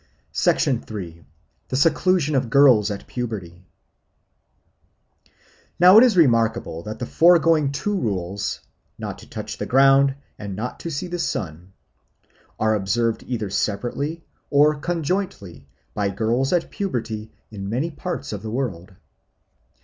3. The Seclusion of Girls at Puberty NOW it is remarkable that the foregoing two rules not to touch the ground and not to see the sun are observed either separately or conjointly by girls at puberty in many parts of the world.